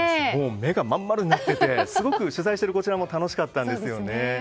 目が真ん丸になっててすごく取材しているこちらも楽しかったんですよね。